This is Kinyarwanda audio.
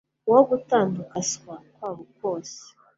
wo gutandukansa kwabo kwose